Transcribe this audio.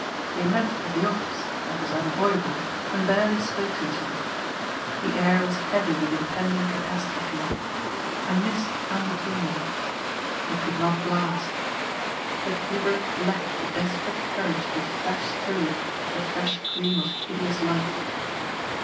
They met at the OfSce, as was unavoidable, and barely spoke to each other. The air was heavy with im pending catastrophe. A mist hung between them. It could not last But Hubert lacked the desperate courage to flash through it a fresh gleam of hideous light.